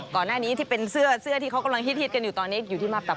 ก่อนหน้านี้ที่เป็นเสื้อเสื้อที่เขากำลังฮิตกันอยู่ตอนนี้อยู่ที่มาปาพุธ